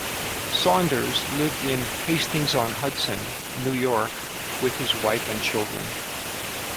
Saunders lived in Hastings-on-Hudson, New York, with his wife and children.